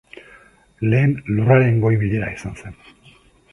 Lehen Lurraren Goi Bilera izan zen.